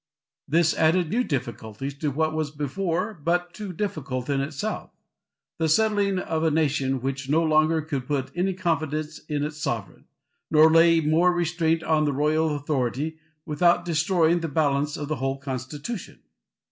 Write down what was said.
This added new difficulties to what was before but too difficult in itself, the settling of a nation which no longer could put any confidence in its sovereign, nor lay more restraints on the royal authority without destroying the balance of the whole constitution.